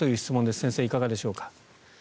先生、いかがでしょうか。